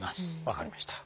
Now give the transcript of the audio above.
分かりました。